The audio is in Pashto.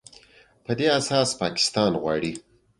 په دې اساس پاکستان غواړي